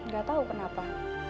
gak tau kenapa